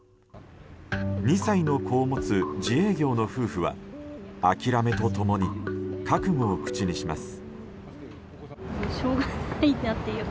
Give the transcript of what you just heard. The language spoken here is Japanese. ２歳の子を持つ自営業の夫婦は諦めと共に覚悟を口にします。